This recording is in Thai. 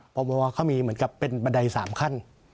พอมาเขามีเหมือนกับเป็นบันได๓ขั้น